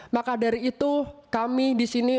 maka dari itu kami disini